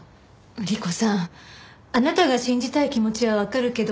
莉子さんあなたが信じたい気持ちはわかるけど。